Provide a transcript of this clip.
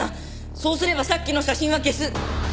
そうすればさっきの写真は消す。